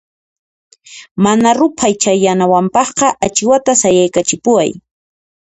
Mana ruphay chayanawanpaqqa achiwata sayaykachipuway.